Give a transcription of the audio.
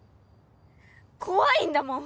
怖いんだもん。